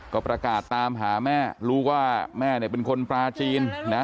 ก็ประกาศตามหาแม่รู้ว่าแม่เนี่ยเป็นคนปลาจีนนะ